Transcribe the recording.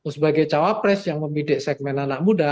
sebagai cawapres yang membidik segmen anak muda